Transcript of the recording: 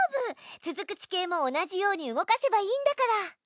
続く地形も同じように動かせばいいんだから。